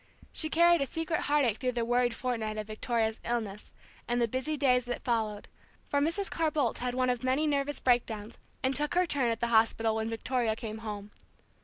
She carried a secret heartache through the worried fortnight of Victoria's illness, and the busy days that followed; for Mrs. Carr Boldt had one of many nervous break downs, and took her turn at the hospital when Victoria came home.